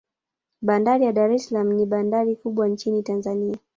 bandari ya dar es salaam ni bandari kubwa nchin tanzania